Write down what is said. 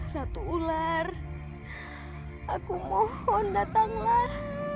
ratu ular aku mohon datanglah